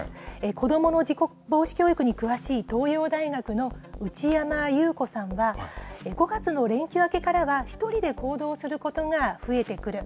子どもの事故防止教育に詳しい東洋大学の内山有子さんは、５月の連休明けからは、１人で行動することが増えてくる。